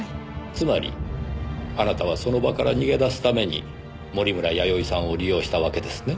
つまりあなたはその場から逃げ出すために守村やよいさんを利用したわけですね？